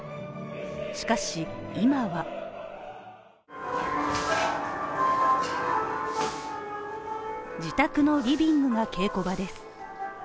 しかし、今は自宅のリビングが稽古場です。